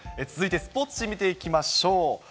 続いてスポーツ紙、見ていきましょう。